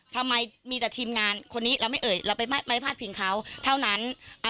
ทำไมมีแต่ทีมงานคนนี้เราไม่เอ่ยเราไปไม่พลาดพิงเขาเท่านั้น